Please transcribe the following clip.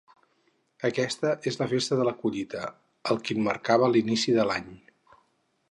Aquesta era la festa de la collita, el quin marcava l'inici de l'any.